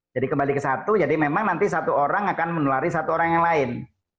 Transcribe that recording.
kembali ke satu jadi memang nanti satu orang akan menulari satu orang yang lain